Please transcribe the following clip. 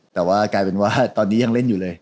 แต่ว่ากลายเป็นว่าตอนนี้ยังเล่นอยู่เลย